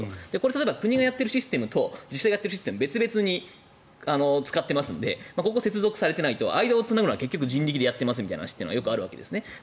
例えば国がやっているシステムと自治体のシステム別々に使っているので接続されていないと間をつなぐのは人力でやってますみたいな話も結構あるんですね。